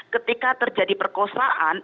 ketika terjadi perkosaan